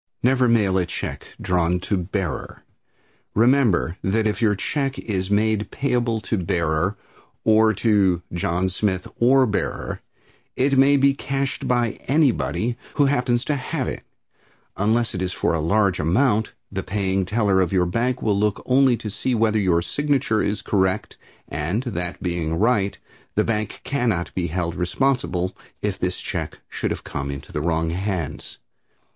Never mail a check drawn to "Bearer." Remember that if your check is made payable to "Bearer" or to "John Smith or Bearer" it may be cashed by anybody who happens to have it. Unless it is for a large amount the paying teller of your bank will look only to see whether your signature is correct, and, that being right, the bank cannot be held responsible if the check should have come into the wrong hands.